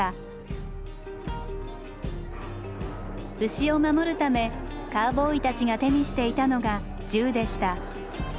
牛を守るためカウボーイたちが手にしていたのが銃でした。